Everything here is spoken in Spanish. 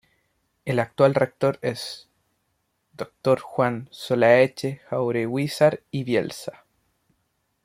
El actual Rector es D. Juan Solaeche-Jaureguizar y Bielsa.